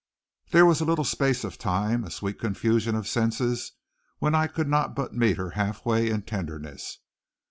There was a little space of time, a sweet confusion of senses, when I could not but meet her half way in tenderness.